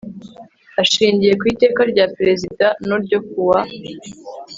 Ashingiye ku iteka rya Perezida No ryo kuwa